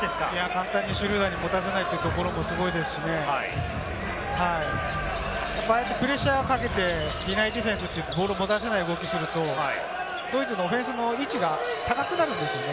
簡単にシュルーダーに持たせないところもすごいですし、プレッシャーをかけて、ディフェンス、ボールを持たせない動きをするとドイツのオフェンスも位置が高くなるんですよね。